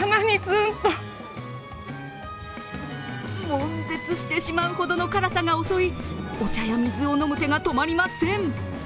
もん絶してしまうほどの辛さが襲いお茶や水を飲む手が止まりません。